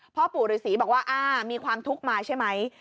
พ่อปู่ฤษีบอกว่ามีความทุกข์มาใช่ไหม